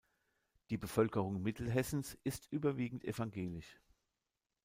Die Bevölkerung Mittelhessens ist überwiegend evangelisch.